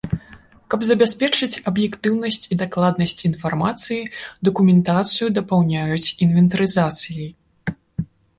Каб забяспечыць аб'ектыўнасць і дакладнасць інфармацыі, дакументацыю дапаўняюць інвентарызацыяй.